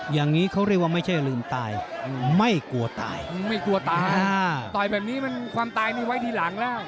อย่างนี้เขาเรียกว่าไม่ใช่ลืมตายไม่กลัวตายไม่กลัวตายต่อยแบบนี้มันความตายนี่ไว้ทีหลังแล้ว